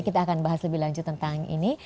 kita akan bahas lebih lanjut tentang ini